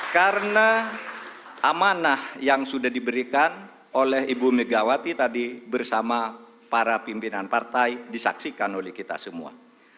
karena amanah yang sudah diberikan oleh ibu megawati tadi bersama para pimpinan partai disaksikan oleh kita semua